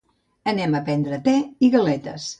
Anem a prendre té i galetes.